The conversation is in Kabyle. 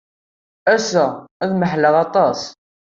Ass-a, ad mahleɣ aṭas.